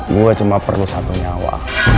gue cuma perlu satu nyawa